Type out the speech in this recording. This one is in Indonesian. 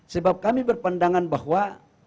sebab kami berpandangan bahwa